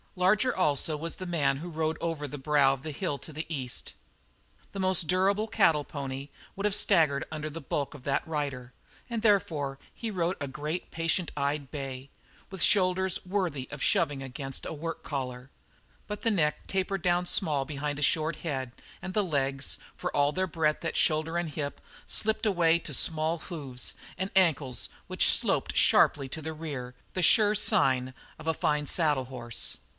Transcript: Larger also was the man who rode over the brow of the hill to the east. The most durable cattle pony would have staggered under the bulk of that rider, and therefore he rode a great, patient eyed bay, with shoulders worthy of shoving against a work collar; but the neck tapered down small behind a short head, and the legs, for all their breadth at shoulder and hip, slipped away to small hoofs, and ankles which sloped sharply to the rear, the sure sign of the fine saddle horse.